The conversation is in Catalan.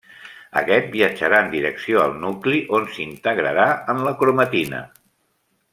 Aquest viatjarà en direcció al nucli on s’integrarà en la cromatina.